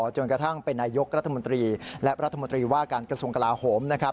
จนกระทั่งเป็นนายกรัฐมนตรีและรัฐมนตรีว่าการกระทรวงกลาโหม